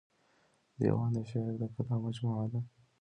دېوان د شاعر د کلام مجموعه ده.